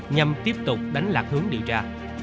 nhằm tiếp tục đánh lạc hướng điều tra